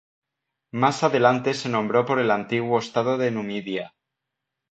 Más adelante se nombró por el antiguo estado de Numidia.